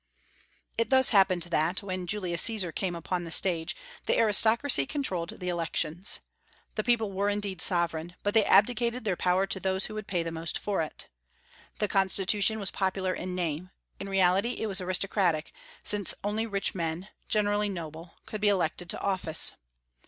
It thus happened that, when Julius Caesar came upon the stage, the aristocracy controlled the elections. The people were indeed sovereign; but they abdicated their power to those who would pay the most for it. The constitution was popular in name; in reality it was aristocratic, since only rich men (generally noble) could be elected to office.